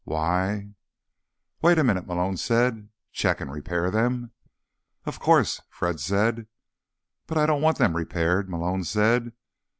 Why—" "Wait a minute," Malone said. "Check and repair them?" "Of course," Fred said. "But I don't want them repaired," Malone said.